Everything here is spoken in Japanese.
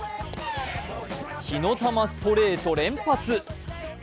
火の玉ストレート連発。